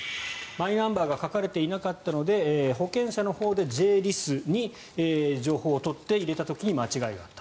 マイナンバーが書かれていなかったので保険者のほうでＪ−ＬＩＳに情報を取って入れた時に間違いがあった。